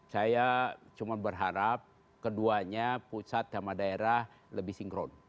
saya cuma berharap keduanya pusat sama daerah lebih sinkron